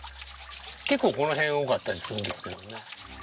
結構この辺多かったりするんですけどね。